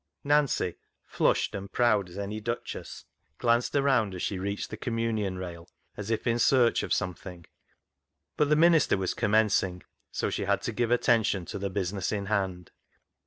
Nancy, flushed and proud as any duchess, glanced around as she reached the communion rail as if in search of something, but the minister was commencing, so she had to give attention to the business in hand.